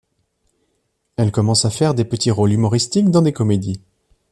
Elle commence à faire des petits rôles humoristiques dans des comédies.